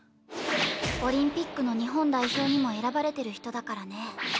オリンピックの日本代表にも選ばれてる人だからね。